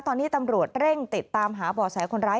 ตอนนี้ตำรวจเร่งติดตามหาบ่อแสคนร้าย